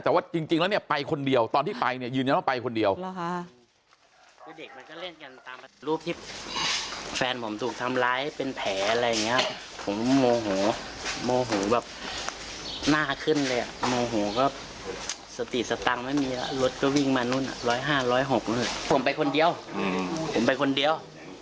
แต่ว่าจริงแล้วเนี่ยไปคนเดียวตอนที่ไปเนี่ยยืนยันว่าไปคนเดียว